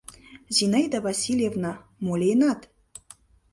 Зинаида Васильевна, мо лийынат?